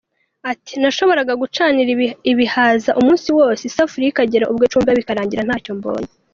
Ati“Nashoboraga gucanira ibihaza umunsi wose isafuriya ikagera ubwo icumba bikarangira ntacyo mbonye.